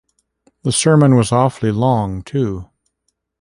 The sermon was awfully long, too.